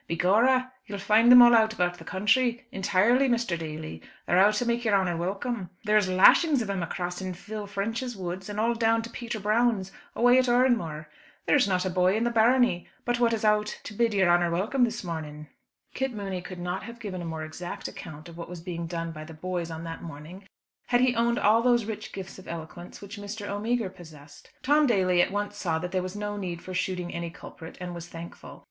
"Begorra, you'll find 'em all out about the counthry, intirely, Mr. Daly. They're out to make your honour welcome. There is lashings of 'em across in Phil French's woods and all down to Peter Brown's, away at Oranmore. There is not a boy in the barony but what is out to bid yer honour welcome this morning." Kit Mooney could not have given a more exact account of what was being done by "the boys" on that morning had he owned all those rich gifts of eloquence which Mr. O'Meagher possessed. Tom Daly at once saw that there was no need for shooting any culprit, and was thankful.